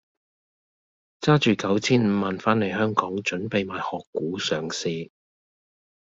揸住九千五萬番黎香港準備買殼股上市。